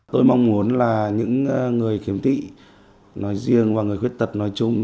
tôi mong muốn là những người khiếm tị nói riêng và người khuyến tật nói chung